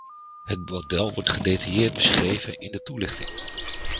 Het model wordt gedetailleerd beschreven in de toelichting.